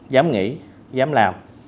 dám nghĩ dám làm